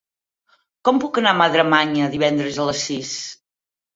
Com puc anar a Madremanya divendres a les sis?